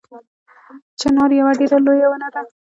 چنار یوه ډیره لویه ونه ده